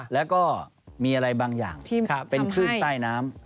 แล้วก็มีอะไรบางอย่างเป็นคลื่นใต้น้ำ